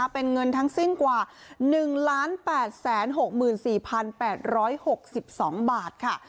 เป็นเงินทั้งสิ้นกว่า๑๘๖๔๘๖๒บาทค่ะ